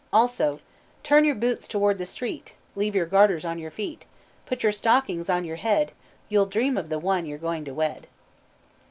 Also "Turn your boots toward the street, Leave your garters on your feet, Put your stockings on your head, You'll dream of the one you're going to wed."